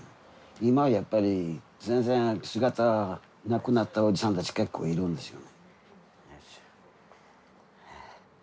今やっぱり全然姿なくなったおじさんたち結構いるんですよね。